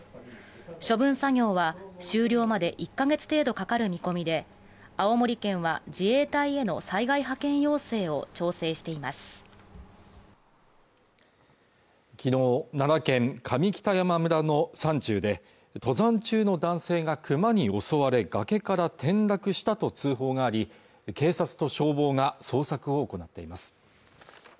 処分作業は終了まで１か月程度かかる見込みで青森県は自衛隊への災害派遣要請を調整しています昨日奈良県上北山村の山中で登山中の男性がクマに襲われ崖から転落したと通報があり警察と消防が捜索を行っています